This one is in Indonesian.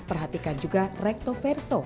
perhatikan juga recto verso